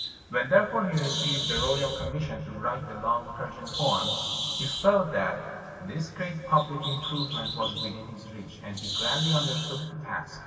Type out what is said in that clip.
When, therefore, he received the royal commission to write the long Persian poem, he felt that this great public improve ment was within his reach, and he gladly undertook the task.